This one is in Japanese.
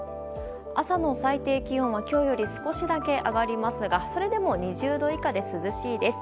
朝の最低気温は今日より少しだけ上がりますがそれでも２０度以下で涼しいです。